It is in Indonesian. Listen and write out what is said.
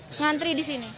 mengantri di sini